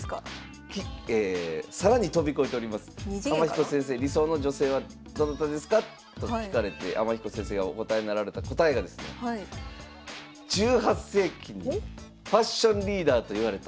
天彦先生理想の女性はどなたですか？と聞かれて天彦先生がお答えなられた答えがですね１８世紀にファッションリーダーといわれたポンパドゥール夫人だって。